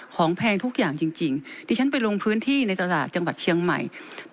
แพงทุกอย่างจริงดิฉันไปลงพื้นที่ในตลาดจังหวัดเชียงใหม่